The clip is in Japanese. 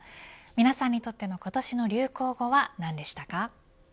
皆さんにとっての今年の流行は何でしたか。